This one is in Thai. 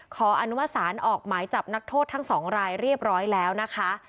ขออนุมสารออกหมายจับนักโทษทั้งสองรายเรียบร้อยแล้วนะคะ